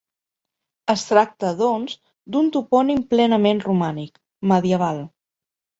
Es tracta, doncs, d'un topònim plenament romànic, medieval.